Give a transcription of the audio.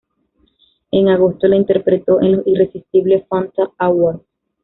En agosto, la interpretó en los Irresistible Fanta Awards.